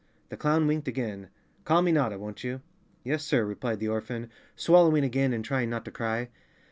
The clown winked again. " Call me Notta, won't you ?" "Yes, sir," replied the orphan, swallowing again and trying not to cry.